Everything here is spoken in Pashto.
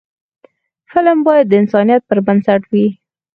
فلم باید د انسانیت پر بنسټ وي